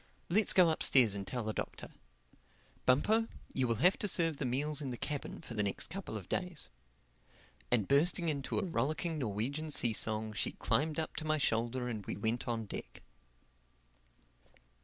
Let's go upstairs and tell the Doctor. Bumpo, you will have to serve the meals in the cabin for the next couple of days." And bursting into a rollicking Norwegian sea song, she climbed up to my shoulder and we went on deck.